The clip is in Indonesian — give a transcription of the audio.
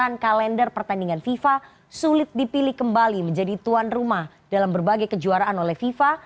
dan diperlukan kalender pertandingan fifa sulit dipilih kembali menjadi tuan rumah dalam berbagai kejuaraan oleh fifa